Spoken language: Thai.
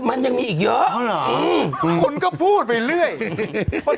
มันยังมีอีกเยอะ